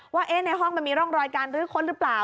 ว่าในห้องมันมีร่องรอยการรื้อค้นหรือเปล่า